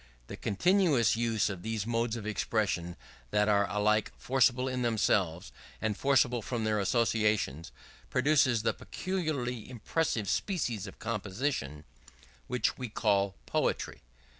The continuous use of these modes of expression that are alike forcible in themselves and forcible from their associations, produces the peculiarly impressive species of composition which we call poetry.